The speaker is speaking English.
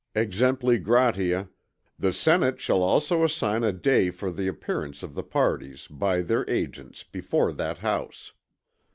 Exempli gratia, "The Senate shall also assign a day for the appearance of the parties, by their agents before that house.